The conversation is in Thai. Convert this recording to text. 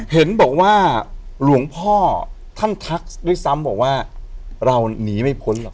เห็นบอกว่าหลวงพ่อท่านทักด้วยซ้ำบอกว่าเราหนีไม่พ้นหรอก